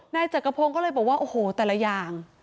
นายจักรพงศ์ก็เลยบอกว่าโอ้โหแต่ละอย่าง